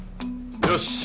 よし！